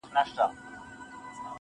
هغه په هره بده پېښه کي بدنام سي ربه,